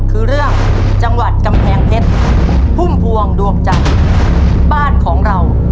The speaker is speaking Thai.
คือเรื่องจังหวัดกำแพงเพชรพุ่มพวงดวงจันทร์บ้านของเรา